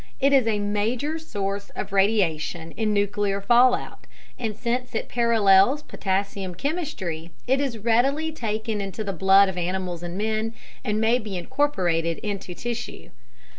It is a major source of radiation in nuclear fallout, and since it parallels potassium chemistry, it is readily taken into the blood of animals and men and may be incorporated into tissue.